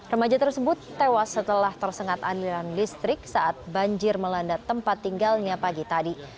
remaja tersebut tewas setelah tersengat aliran listrik saat banjir melanda tempat tinggalnya pagi tadi